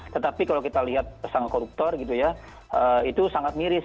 tetapi kalau kita lihat pesang koruptor itu sangat miris